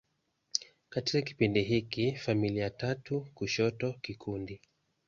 Katika kipindi hiki, familia tatu kushoto kikundi.